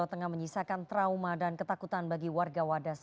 tengah menyisakan trauma dan ketakutan bagi warga wadas